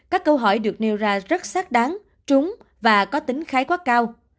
các câu hỏi được nêu ra rất xác đáng trúng và có tính khái quát cao